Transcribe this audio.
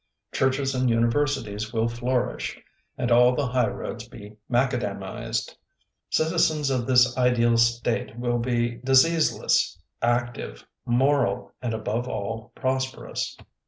Churches and universities will flourish, and all the highroads be ma cadamized. Citizens of this ideal state will be diseaseless, active, moral, and above all prosperous.